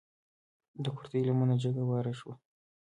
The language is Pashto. د کورتۍ لمنه جګه واره شوه.